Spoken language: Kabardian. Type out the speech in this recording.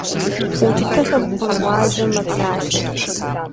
Укӏытэхыр бгъурыгъазэу мэпсалъэ.